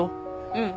うん。